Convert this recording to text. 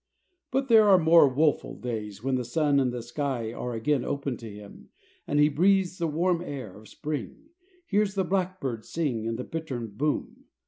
But there are more woful days when the sun and the sky are again opened to him, and he breathes the warm air of spring, hears the blackbirds sing and the bittern boom.